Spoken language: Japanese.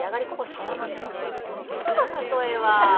何よその例えは？